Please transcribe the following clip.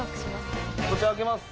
こちら開けます。